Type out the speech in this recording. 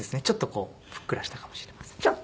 ちょっとふっくらしたかもしれません。